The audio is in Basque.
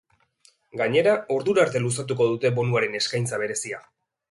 Gainera, ordura arte luzatuko dute bonuaren eskaintza berezia.